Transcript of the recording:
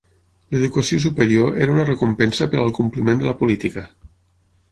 L'educació superior era una recompensa per al compliment de la política.